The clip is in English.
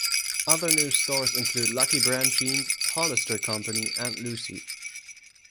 Other new stores include Lucky Brand Jeans, Hollister Company and Lucy.